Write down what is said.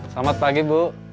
selamat pagi bu